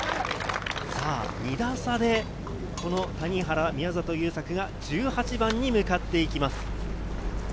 ２打差でこの谷原、宮里優作が１８番に向かっていきます。